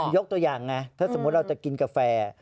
ยกตัวอย่างไงถ้าสมมุติเราจะกินกาแฟ